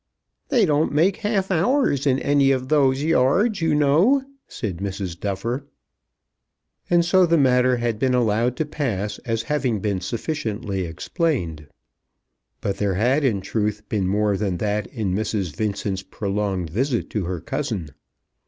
"They don't make half hours in any of those yards, you know," said Mrs. Duffer. And so the matter had been allowed to pass as having been sufficiently explained. But there had in truth been more than that in Mrs. Vincent's prolonged visit to her cousin.